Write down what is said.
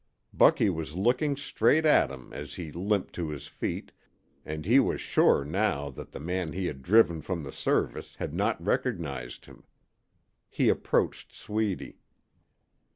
Bucky was looking straight at him as he limped to his feet, and he was sure now that the man he had driven from the Service had not recognized him. He approached Sweedy.